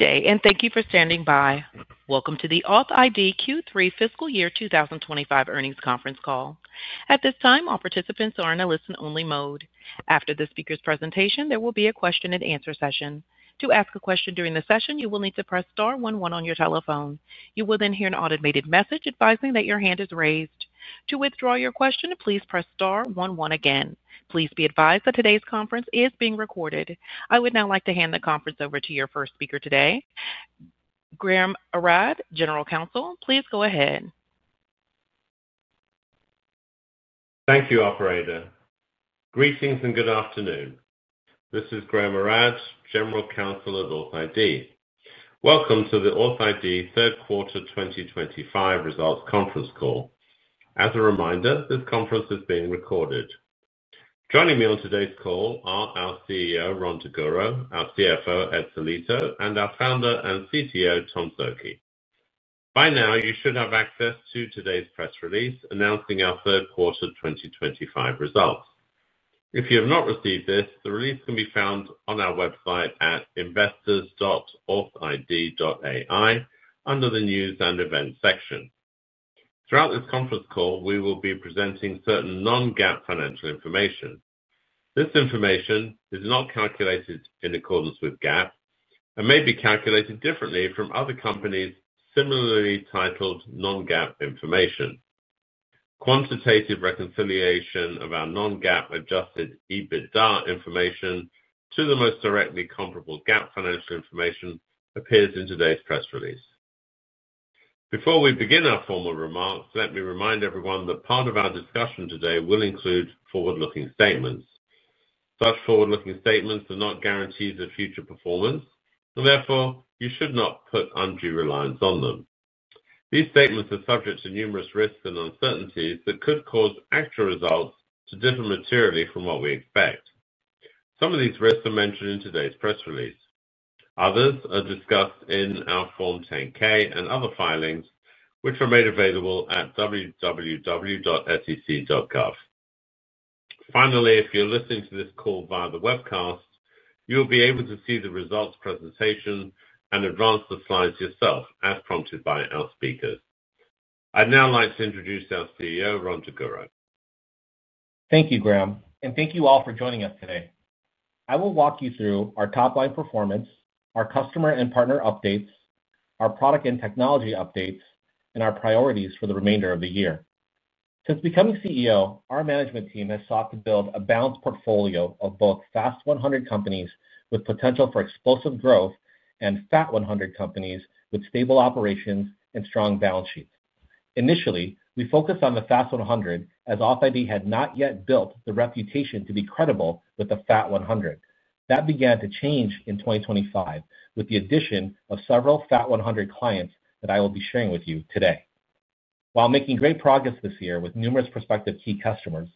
Good day, and thank you for standing by. Welcome to the authID Q3 Fiscal Year 2025 earnings conference call. At this time, all participants are in a listen-only mode. After the speaker's presentation, there will be a question-and-answer session. To ask a question during the session, you will need to press star one one on your telephone. You will then hear an automated message advising that your hand is raised. To withdraw your question, please press star 11 again. Please be advised that today's conference is being recorded. I would now like to hand the conference over to your first speaker today, Graham Arad, General Counsel. Please go ahead. Thank you, operator. Greetings and good afternoon. This is Graham Arad, General Counsel at authID. Welcome to the authID Q3 2025 results conference call. As a reminder, this conference is being recorded. Joining me on today's call are our CEO, Ron Daguro, our CFO, Ed Sellitto, and our founder and CTO, Tom Szoke. By now, you should have access to today's press release announcing our Q3 2025 results. If you have not received this, the release can be found on our website at investors.authid.ai under the news and events section. Throughout this conference call, we will be presenting certain non-GAAP financial information. This information is not calculated in accordance with GAAP and may be calculated differently from other companies' similarly titled non-GAAP information. Quantitative reconciliation of our non-GAAP adjusted EBITDA information to the most directly comparable GAAP financial information appears in today's press release. Before we begin our formal remarks, let me remind everyone that part of our discussion today will include forward-looking statements. Such forward-looking statements are not guarantees of future performance, and therefore you should not put undue reliance on them. These statements are subject to numerous risks and uncertainties that could cause actual results to differ materially from what we expect. Some of these risks are mentioned in today's press release. Others are discussed in our Form 10-K and other filings, which are made available at www.sec.gov. Finally, if you're listening to this call via the webcast, you'll be able to see the results presentation and advance the slides yourself as prompted by our speakers. I'd now like to introduce our CEO, Ron Daguro. Thank you, Graham, and thank you all for joining us today. I will walk you through our top-line performance, our customer and partner updates, our product and technology updates, and our priorities for the remainder of the year. Since becoming CEO, our management team has sought to build a balanced portfolio of both Fast 100 companies with potential for explosive growth and FAT100 companies with stable operations and strong balance sheets. Initially, we focused on the Fast 100 as authID had not yet built the reputation to be credible with the FAT100. That began to change in 2025 with the addition of several FAT100 clients that I will be sharing with you today. While making great progress this year with numerous prospective key customers,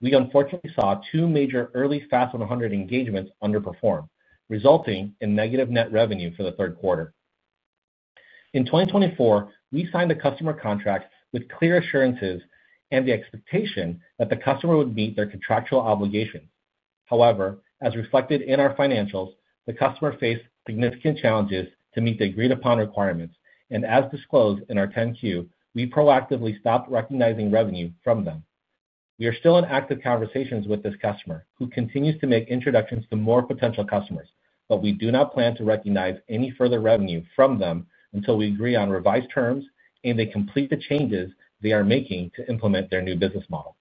we unfortunately saw two major early Fast 100 engagements underperform, resulting in negative net revenue for the third quarter. In 2024, we signed a customer contract with clear assurances and the expectation that the customer would meet their contractual obligations. However, as reflected in our financials, the customer faced significant challenges to meet the agreed-upon requirements, and as disclosed in our 10-Q, we proactively stopped recognizing revenue from them. We are still in active conversations with this customer, who continues to make introductions to more potential customers, but we do not plan to recognize any further revenue from them until we agree on revised terms and they complete the changes they are making to implement their new business model.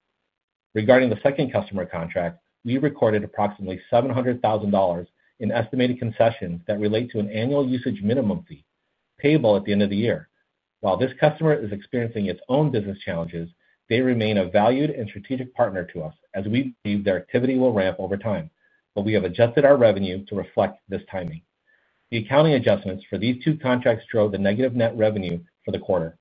Regarding the second customer contract, we recorded approximately $700,000 in estimated concessions that relate to an annual usage minimum fee payable at the end of the year. While this customer is experiencing its own business challenges, they remain a valued and strategic partner to us as we believe their activity will ramp over time, but we have adjusted our revenue to reflect this timing. The accounting adjustments for these two contracts drove the negative net revenue for the quarter.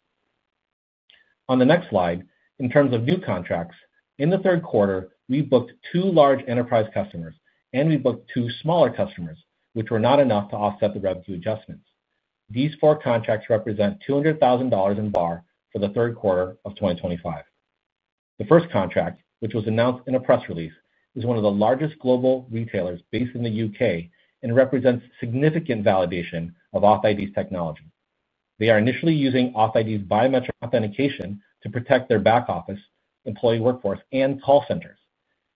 On the next slide, in terms of new contracts, in the third quarter, we booked two large enterprise customers, and we booked two smaller customers, which were not enough to offset the revenue adjustments. These four contracts represent $200,000 in BAR for the third quarter of 2025. The first contract, which was announced in a press release, is one of the largest global retailers based in the U.K. and represents significant validation of authID's technology. They are initially using authID's biometric authentication to protect their back office, employee workforce, and call centers.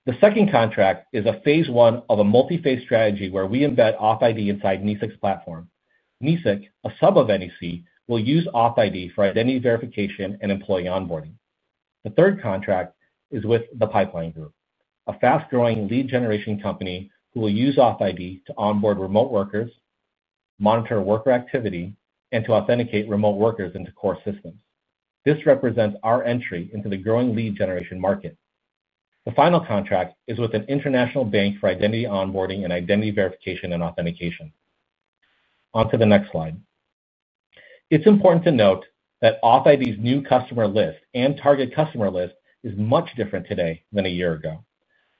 The second contract is a phase one of a multi-phase strategy where we embed authID inside NECIC's platform. NECIC, a sub of NEC, will use authID for identity verification and employee onboarding. The third contract is with the Pipeline Group, a fast-growing lead generation company who will use authID to onboard remote workers, monitor worker activity, and to authenticate remote workers into core systems. This represents our entry into the growing lead generation market. The final contract is with an international bank for identity onboarding and identity verification and authentication. On to the next slide. It's important to note that authID's new customer list and target customer list is much different today than a year ago.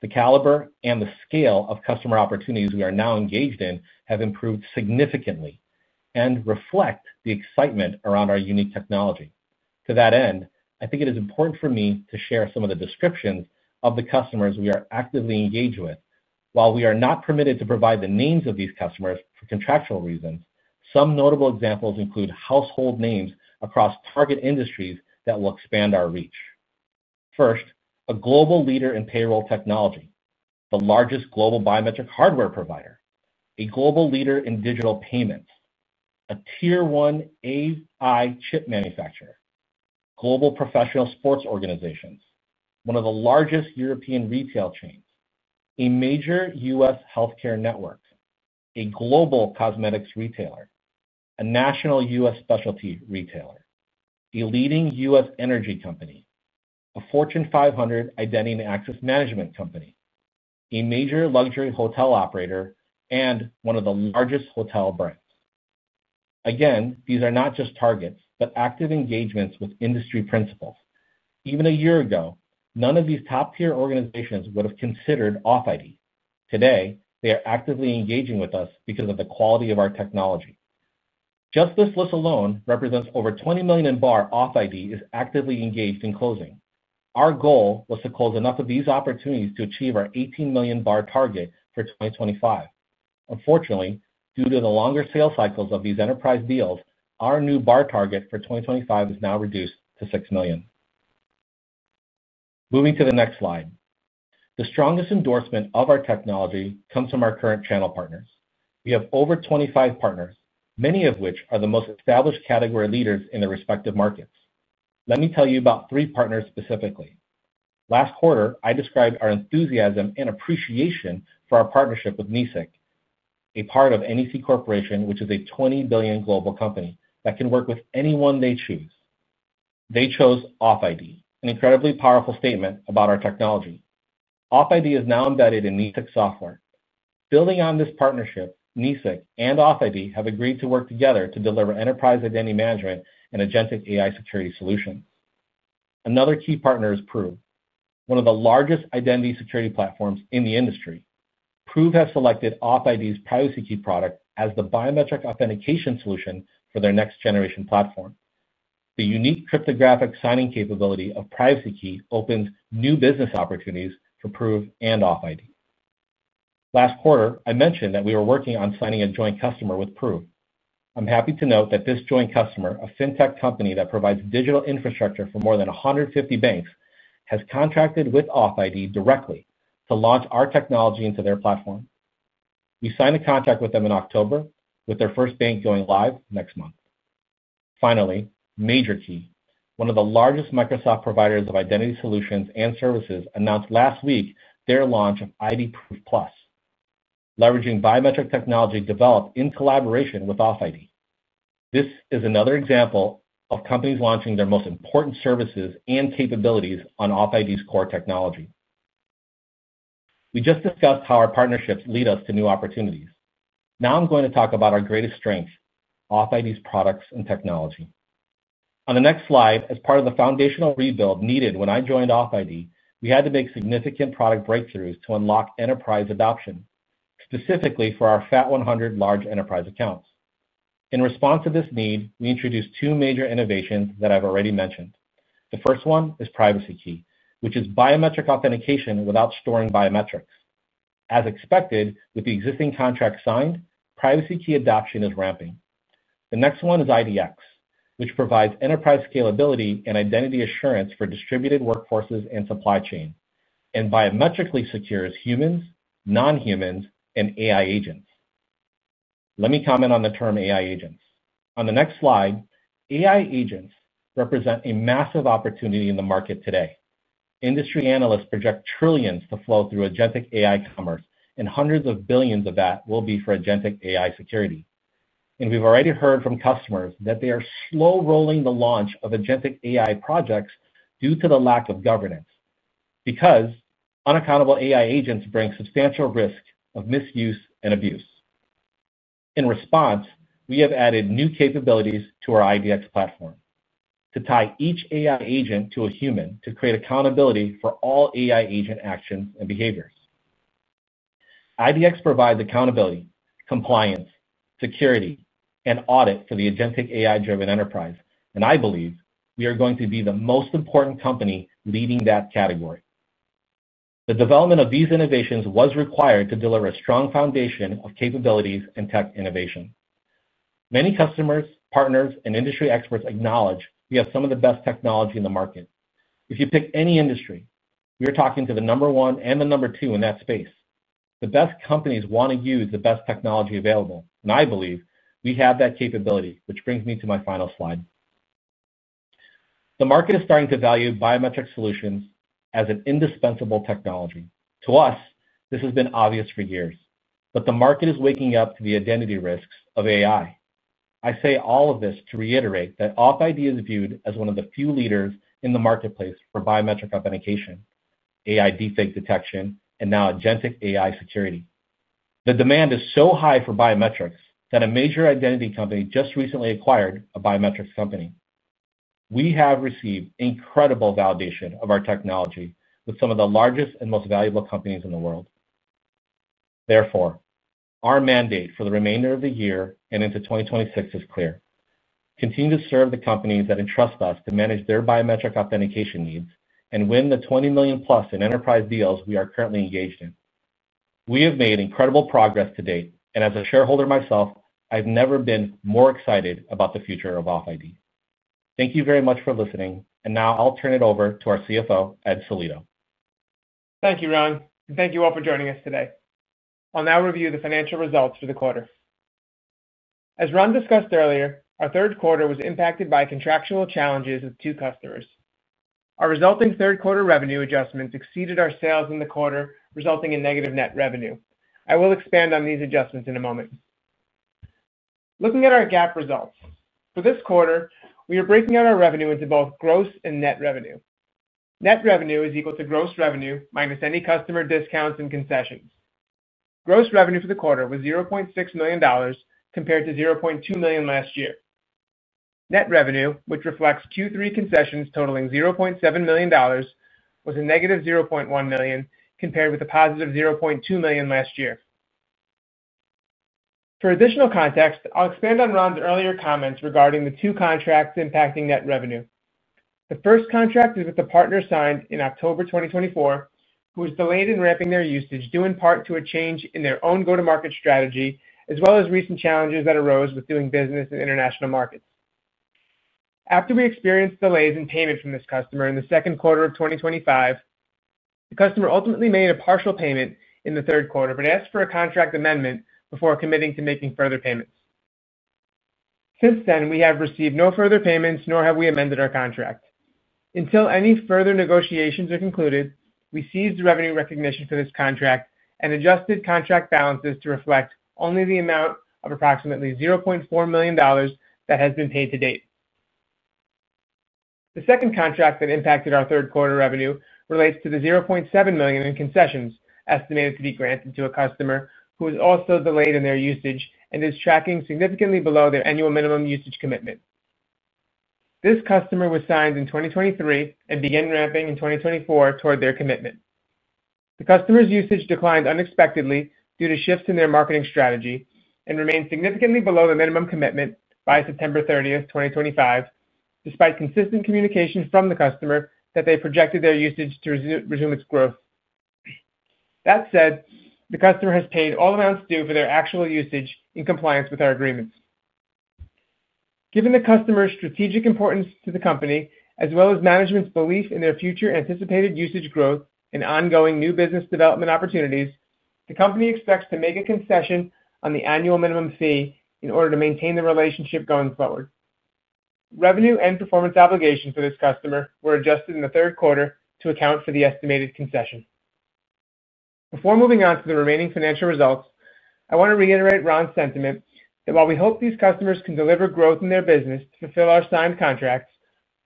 The caliber and the scale of customer opportunities we are now engaged in have improved significantly and reflect the excitement around our unique technology. To that end, I think it is important for me to share some of the descriptions of the customers we are actively engaged with. While we are not permitted to provide the names of these customers for contractual reasons, some notable examples include household names across target industries that will expand our reach. First, a global leader in payroll technology, the largest global biometric hardware provider, a global leader in digital payments, a tier-one AI chip manufacturer, global professional sports organizations, one of the largest European retail chains, a major U.S. healthcare network, a global cosmetics retailer, a national U.S. specialty retailer, a leading U.S. energy company, a Fortune 500 identity and access management company, a major luxury hotel operator, and one of the largest hotel brands. Again, these are not just targets, but active engagements with industry principals. Even a year ago, none of these top-tier organizations would have considered authID. Today, they are actively engaging with us because of the quality of our technology. Just this list alone represents over $20 million in BAR authID is actively engaged in closing. Our goal was to close enough of these opportunities to achieve our $18 million BAR target for 2025. Unfortunately, due to the longer sales cycles of these enterprise deals, our new BAR target for 2025 is now reduced to $6 million. Moving to the next slide. The strongest endorsement of our technology comes from our current channel partners. We have over 25 partners, many of which are the most established category leaders in their respective markets. Let me tell you about three partners specifically. Last quarter, I described our enthusiasm and appreciation for our partnership with NECIC, a part of NEC Corporation, which is a $20 billion global company that can work with anyone they choose. They chose authID, an incredibly powerful statement about our technology. authID is now embedded in NECIC's software. Building on this partnership, NECIC and authID have agreed to work together to deliver enterprise identity management and agentic AI security solutions. Another key partner is Prove, one of the largest identity security platforms in the industry. Prove has selected authID's PrivacyKey product as the biometric authentication solution for their next-generation platform. The unique cryptographic signing capability of PrivacyKey opens new business opportunities for Prove and authID. Last quarter, I mentioned that we were working on signing a joint customer with Prove. I'm happy to note that this joint customer, a fintech company that provides digital infrastructure for more than 150 banks, has contracted with authID directly to launch our technology into their platform. We signed the contract with them in October, with their first bank going live next month. Finally, MajorKey, one of the largest Microsoft providers of identity solutions and services, announced last week their launch of ID Proof Plus, leveraging biometric technology developed in collaboration with authID. This is another example of companies launching their most important services and capabilities on authID's core technology. We just discussed how our partnerships lead us to new opportunities. Now I'm going to talk about our greatest strengths, authID's products and technology. On the next slide, as part of the foundational rebuild needed when I joined authID, we had to make significant product breakthroughs to unlock enterprise adoption, specifically for our FAT100 large enterprise accounts. In response to this need, we introduced two major innovations that I've already mentioned. The first one is PrivacyKey, which is biometric authentication without storing biometrics. As expected, with the existing contract signed, PrivacyKey adoption is ramping. The next one is IDX, which provides enterprise scalability and identity assurance for distributed workforces and supply chain, and biometrically secures humans, non-humans, and AI agents. Let me comment on the term AI agents. On the next slide, AI agents represent a massive opportunity in the market today. Industry analysts project trillions to flow through agentic AI commerce, and hundreds of billions of that will be for agentic AI security. We have already heard from customers that they are slow-rolling the launch of agentic AI projects due to the lack of governance because unaccountable AI agents bring substantial risk of misuse and abuse. In response, we have added new capabilities to our IDX platform to tie each AI agent to a human to create accountability for all AI agent actions and behaviors. IDX provides accountability, compliance, security, and audit for the agentic AI-driven enterprise, and I believe we are going to be the most important company leading that category. The development of these innovations was required to deliver a strong foundation of capabilities and tech innovation. Many customers, partners, and industry experts acknowledge we have some of the best technology in the market. If you pick any industry, we are talking to the number one and the number two in that space. The best companies want to use the best technology available, and I believe we have that capability, which brings me to my final slide. The market is starting to value biometric solutions as an indispensable technology. To us, this has been obvious for years, but the market is waking up to the identity risks of AI. I say all of this to reiterate that authID is viewed as one of the few leaders in the marketplace for biometric authentication, AI deepfake detection, and now agentic AI security. The demand is so high for biometrics that a major identity company just recently acquired a biometrics company. We have received incredible validation of our technology with some of the largest and most valuable companies in the world. Therefore, our mandate for the remainder of the year and into 2026 is clear. Continue to serve the companies that entrust us to manage their biometric authentication needs and win the $20 million+ in enterprise deals we are currently engaged in. We have made incredible progress to date, and as a shareholder myself, I've never been more excited about the future of authID. Thank you very much for listening, and now I'll turn it over to our CFO, Ed Sellitto. Thank you, Ron, and thank you all for joining us today. I'll now review the financial results for the quarter. As Ron discussed earlier, our third quarter was impacted by contractual challenges with two customers. Our resulting third-quarter revenue adjustments exceeded our sales in the quarter, resulting in negative net revenue. I will expand on these adjustments in a moment. Looking at our GAAP results, for this quarter, we are breaking out our revenue into both gross and net revenue. Net revenue is equal to gross revenue minus any customer discounts and concessions. Gross revenue for the quarter was $0.6 million compared to $0.2 million last year. Net revenue, which reflects Q3 concessions totaling $0.7 million, was a negative $0.1 million compared with a positive $0.2 million last year. For additional context, I'll expand on Ron's earlier comments regarding the two contracts impacting net revenue. The first contract is with a partner signed in October 2024, who was delayed in ramping their usage due in part to a change in their own go-to-market strategy, as well as recent challenges that arose with doing business in international markets. After we experienced delays in payment from this customer in the second quarter of 2025, the customer ultimately made a partial payment in the third quarter, but asked for a contract amendment before committing to making further payments. Since then, we have received no further payments, nor have we amended our contract. Until any further negotiations are concluded, we ceased revenue recognition for this contract and adjusted contract balances to reflect only the amount of approximately $0.4 million that has been paid to date. The second contract that impacted our third-quarter revenue relates to the $0.7 million in concessions estimated to be granted to a customer who was also delayed in their usage and is tracking significantly below their annual minimum usage commitment. This customer was signed in 2023 and began ramping in 2024 toward their commitment. The customer's usage declined unexpectedly due to shifts in their marketing strategy and remained significantly below the minimum commitment by September 30, 2025, despite consistent communication from the customer that they projected their usage to resume its growth. That said, the customer has paid all amounts due for their actual usage in compliance with our agreements. Given the customer's strategic importance to the company, as well as management's belief in their future anticipated usage growth and ongoing new business development opportunities, the company expects to make a concession on the annual minimum fee in order to maintain the relationship going forward. Revenue and performance obligations for this customer were adjusted in the third quarter to account for the estimated concession. Before moving on to the remaining financial results, I want to reiterate Ron's sentiment that while we hope these customers can deliver growth in their business to fulfill our signed contracts,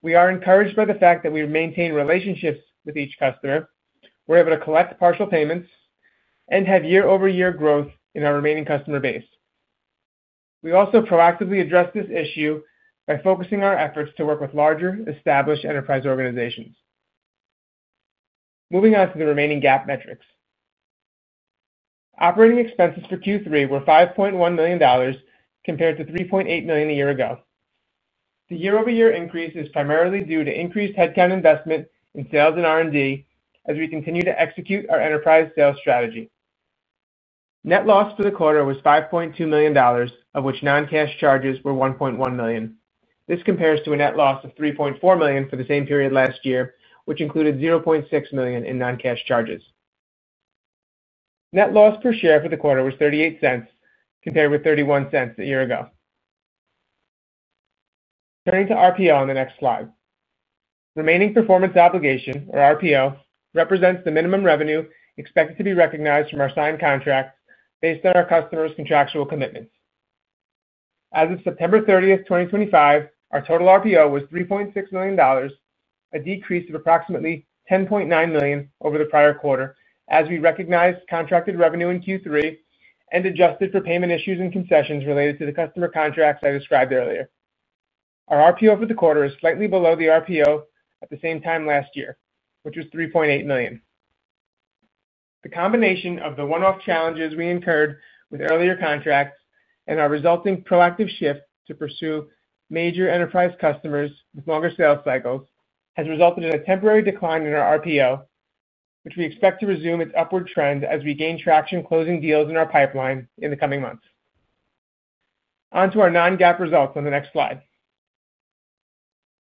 we are encouraged by the fact that we maintain relationships with each customer, we're able to collect partial payments, and have year-over-year growth in our remaining customer base. We also proactively address this issue by focusing our efforts to work with larger, established enterprise organizations. Moving on to the remaining GAAP metrics. Operating expenses for Q3 were $5.1 million compared to $3.8 million a year ago. The year-over-year increase is primarily due to increased headcount investment in sales and R&D as we continue to execute our enterprise sales strategy. Net loss for the quarter was $5.2 million, of which non-cash charges were $1.1 million. This compares to a net loss of $3.4 million for the same period last year, which included $0.6 million in non-cash charges. Net loss per share for the quarter was $0.38 compared with $0.31 a year ago. Turning to RPO on the next slide. Remaining performance obligation, or RPO, represents the minimum revenue expected to be recognized from our signed contracts based on our customer's contractual commitments. As of September 30, 2025, our total RPO was $3.6 million, a decrease of approximately $10.9 million over the prior quarter, as we recognized contracted revenue in Q3 and adjusted for payment issues and concessions related to the customer contracts I described earlier. Our RPO for the quarter is slightly below the RPO at the same time last year, which was $3.8 million. The combination of the one-off challenges we incurred with earlier contracts and our resulting proactive shift to pursue major enterprise customers with longer sales cycles has resulted in a temporary decline in our RPO, which we expect to resume its upward trend as we gain traction closing deals in our pipeline in the coming months. Onto our non-GAAP results on the next slide.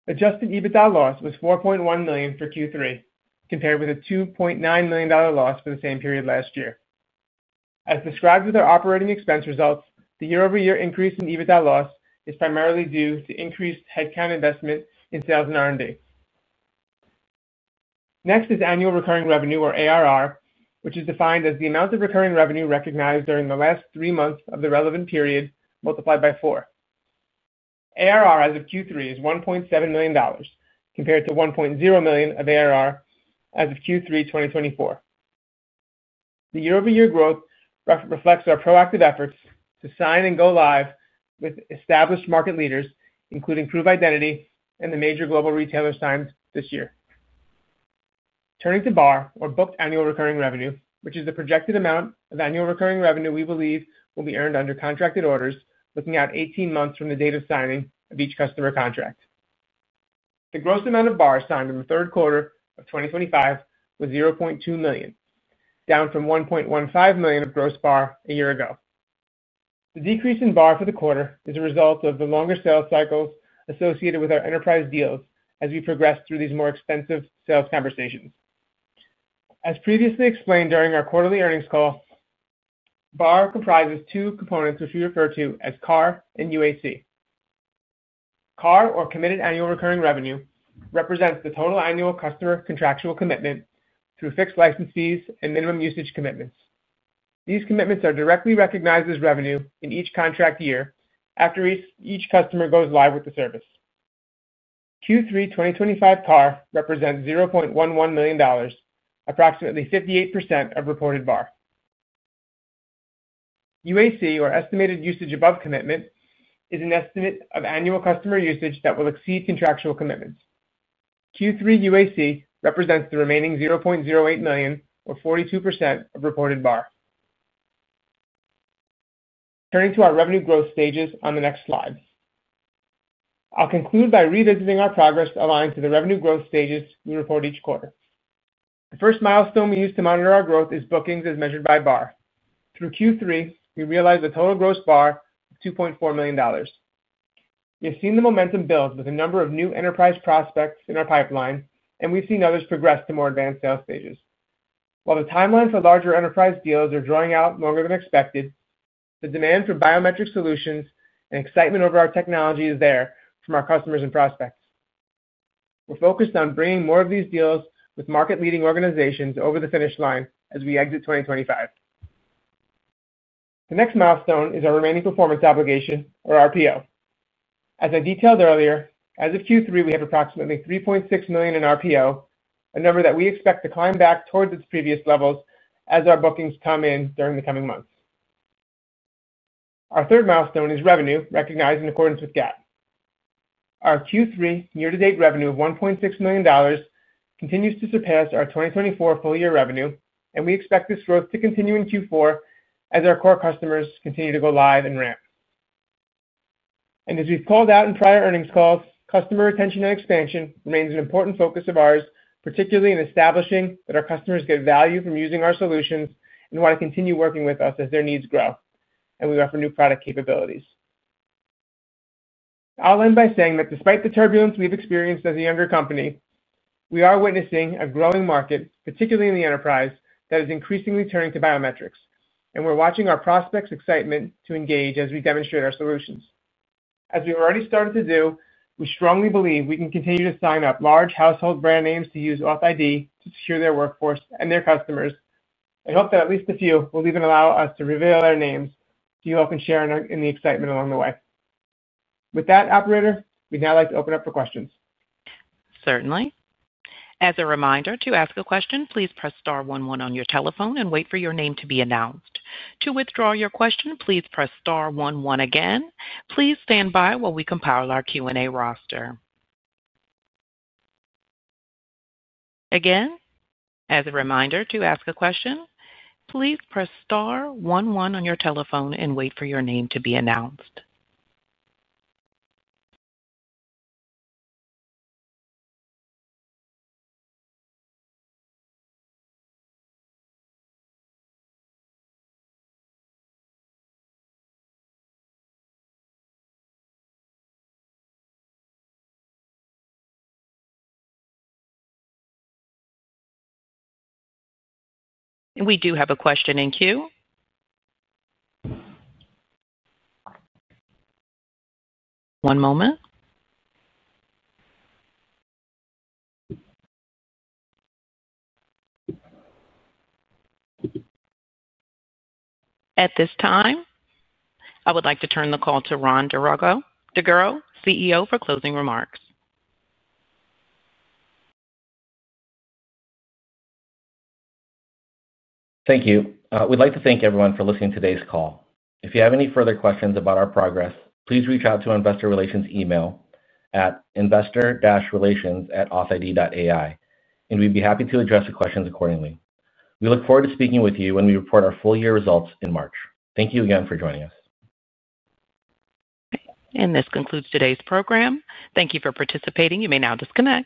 Adjusted EBITDA loss was $4.1 million for Q3, compared with a $2.9 million loss for the same period last year. As described with our operating expense results, the year-over-year increase in EBITDA loss is primarily due to increased headcount investment in sales and R&D. Next is annual recurring revenue, or ARR, which is defined as the amount of recurring revenue recognized during the last three months of the relevant period multiplied by four. ARR as of Q3 is $1.7 million compared to $1.0 million of ARR as of Q3 2024. The year-over-year growth reflects our proactive efforts to sign and go live with established market leaders, including Prove Identity and the major global retailers signed this year. Turning to BAR, or booked annual recurring revenue, which is the projected amount of annual recurring revenue we believe will be earned under contracted orders, looking out 18 months from the date of signing of each customer contract. The gross amount of BAR signed in the third quarter of 2025 was $0.2 million, down from $1.15 million of gross BAR a year ago. The decrease in BAR for the quarter is a result of the longer sales cycles associated with our enterprise deals as we progress through these more expensive sales conversations. As previously explained during our quarterly earnings call, BAR comprises two components, which we refer to as CAR and UAC. CAR, or committed annual recurring revenue, represents the total annual customer contractual commitment through fixed license fees and minimum usage commitments. These commitments are directly recognized as revenue in each contract year after each customer goes live with the service. Q3 2025 CAR represents $0.11 million, approximately 58% of reported BAR. UAC, or estimated usage above commitment, is an estimate of annual customer usage that will exceed contractual commitments. Q3 UAC represents the remaining $0.08 million, or 42% of reported BAR. Turning to our revenue growth stages on the next slide. I'll conclude by revisiting our progress aligned to the revenue growth stages we report each quarter. The first milestone we use to monitor our growth is bookings as measured by BAR. Through Q3, we realized a total gross BAR of $2.4 million. We have seen the momentum build with a number of new enterprise prospects in our pipeline, and we've seen others progress to more advanced sales stages. While the timeline for larger enterprise deals is drawing out longer than expected, the demand for biometric solutions and excitement over our technology is there from our customers and prospects. We're focused on bringing more of these deals with market-leading organizations over the finish line as we exit 2025. The next milestone is our remaining performance obligation, or RPO. As I detailed earlier, as of Q3, we have approximately $3.6 million in RPO, a number that we expect to climb back towards its previous levels as our bookings come in during the coming months. Our third milestone is revenue recognized in accordance with GAAP. Our Q3 year-to-date revenue of $1.6 million continues to surpass our 2024 full-year revenue, and we expect this growth to continue in Q4 as our core customers continue to go live and ramp. As we've called out in prior earnings calls, customer retention and expansion remains an important focus of ours, particularly in establishing that our customers get value from using our solutions and want to continue working with us as their needs grow and we offer new product capabilities. I'll end by saying that despite the turbulence we've experienced as a younger company, we are witnessing a growing market, particularly in the enterprise, that is increasingly turning to biometrics, and we're watching our prospects' excitement to engage as we demonstrate our solutions. As we already started to do, we strongly believe we can continue to sign up large household brand names to use authID to secure their workforce and their customers. I hope that at least a few will even allow us to reveal their names so you all can share in the excitement along the way. With that, operator, we'd now like to open up for questions. Certainly. As a reminder to ask a question, please press star one one on your telephone and wait for your name to be announced. To withdraw your question, please press star one one again. Please stand by while we compile our Q&A roster. Again, as a reminder to ask a question, please press star one one on your telephone and wait for your name to be announced. We do have a question in queue. One moment. At this time, I would like to turn the call to Ron Daguro, CEO, for closing remarks. Thank you. We'd like to thank everyone for listening to today's call. If you have any further questions about our progress, please reach out to our investor relations email at investor-relations@authID.ai, and we'd be happy to address the questions accordingly. We look forward to speaking with you when we report our full-year results in March. Thank you again for joining us. This concludes today's program. Thank you for participating. You may now disconnect.